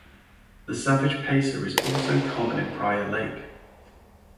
The Savage Pacer is also common in Prior Lake.